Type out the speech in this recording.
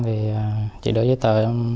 thì chị đưa giấy tờ